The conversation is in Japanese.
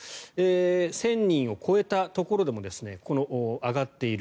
１０００人を超えたところでも上がっている。